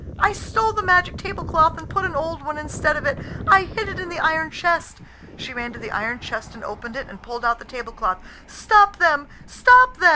I stole the magic tablecloth, and put an old one instead of it. I hid it in the iron chest." She ran to the iron chest and opened it, and pulled out the tablecloth. "Stop them! Stop them!"